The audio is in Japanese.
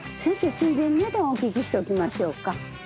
ついでに値段お聞きしておきましょうか？